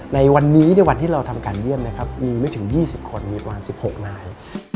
ในวันที่เราทำการเยี่ยมมีไม่ถึง๒๐คนมีกว่า๑๖นาย